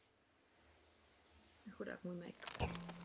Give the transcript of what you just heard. Hudbou se zabýval od dětství.